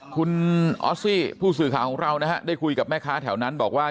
คุณออสซี่ผู้สื่อข่าวของเรานะฮะได้คุยกับแม่ค้าแถวนั้นบอกว่า